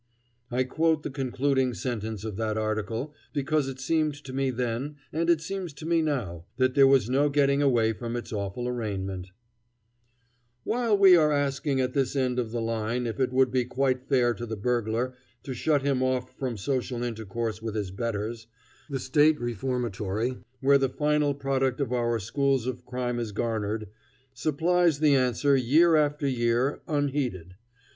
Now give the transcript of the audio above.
I quote the concluding sentence of that article because it seemed to me then, and it seems to me now, that there was no getting away from its awful arraignment: "While we are asking at this end of the line if it would be quite fair to the burglar to shut him off from social intercourse with his betters, the State Reformatory, where the final product of our schools of crime is garnered, supplies the answer year after year, unheeded.